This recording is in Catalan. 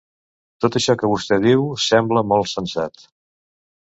Tot això que vostè diu sembla molt sensat.